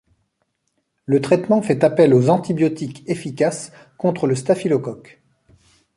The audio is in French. Le traitement fait appel aux antibiotiques efficaces contre le staphylocoque.